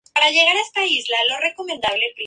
Tiene cabellos grises en la parte derecha de su cabeza.